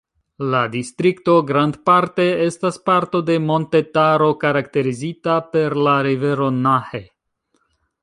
La distrikto grandparte estas parto de montetaro karakterizita per la rivero Nahe.